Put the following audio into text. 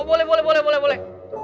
oh boleh boleh boleh